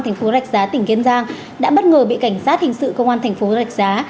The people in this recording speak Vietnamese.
thành phố rạch giá tỉnh kiên giang đã bất ngờ bị cảnh sát hình sự công an thành phố rạch giá